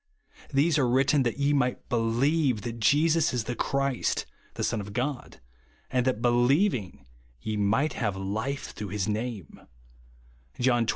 These are written that ye might helieve that Jesus is the Christ, the Son of God, and that helieving, ye might have life through his name," (John xx.